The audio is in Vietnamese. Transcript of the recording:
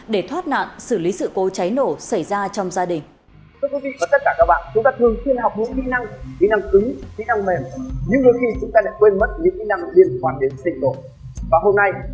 để thoát nạn xử lý sự cố cháy nổ xảy ra trong gia đình